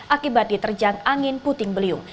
akibat diterjang angin puting beliung